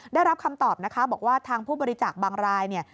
ได้รับคำตอบนะคะบอกว่าทางผู้บริจาคบางรายเนี่ย